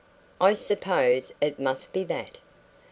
I suppose it must be that."